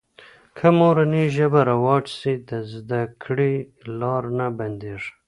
که مورنۍ ژبه رواج سي، د زده کړې لاره نه بندېږي.